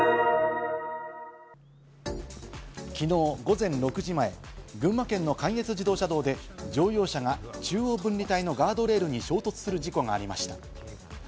昨日午前６時前、群馬県の関越自動車道で乗用車が中央分離帯のガードレールに衝突する事故がありました。